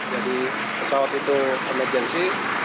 jadi pesawat itu emergensi